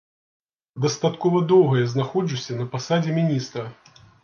Дастаткова доўга я знаходжуся на пасадзе міністра.